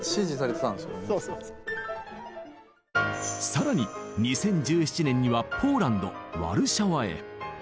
更に２０１７年にはポーランドワルシャワへ。